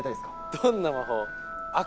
どんな魔法？